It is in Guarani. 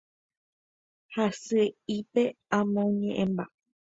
Hasy'ípe amoñe'ẽmba.